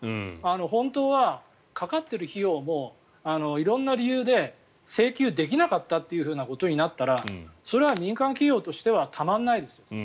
本当はかかっている費用も色んな理由で請求できなかったということになったらそれは民間企業としてはたまらないです。